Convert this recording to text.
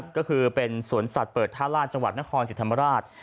ก็คือเป็นสวนสัตว์เปิดท่าราชจังหวัดนครสิทธิ์ธรรมราช